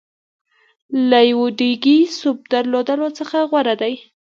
له یوه ډېګي سوپ درلودلو څخه غوره دی.